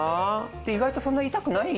意外とそんな痛くない。